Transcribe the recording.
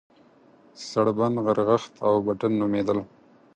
سړبن، غرغښت او بټن نومېدل.